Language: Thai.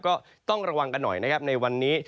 ก็ต้องระวังกันหน่อยนะครับในวันนี้